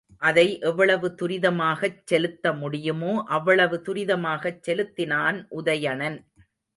அதை எவ்வளவு துரிதமாகச் செலுத்த முடியுமோ அவ்வளவு துரிதமாகச் செலுத்தினான் உதயணன்.